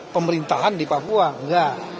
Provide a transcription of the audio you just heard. pemerintahan di papua enggak